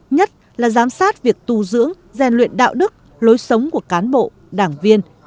nhất là giám sát việc tu dưỡng rèn luyện đạo đức lối sống của cán bộ đảng viên